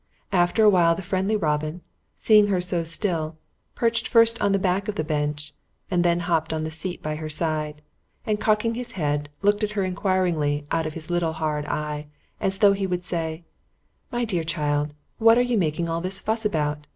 After a while the friendly robin, seeing her so still, perched first on the back of the bench and then hopped on the seat by her side, and cocking his head, looked at her enquiringly out of his little hard eye, as though he would say: "My dear child, what are you making all this fuss about?